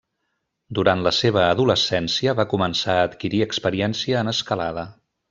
Durant la seva adolescència va començar a adquirir experiència en escalada.